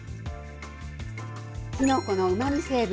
きのこのうまみ成分